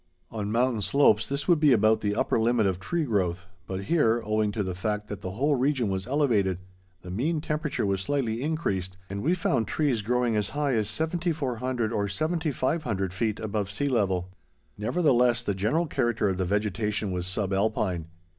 On mountain slopes this would be about the upper limit of tree growth, but here, owing to the fact that the whole region was elevated, the mean temperature was slightly increased, and we found trees growing as high as 7400 or 7500 feet above sea level. Nevertheless, the general character of the vegetation was sub alpine.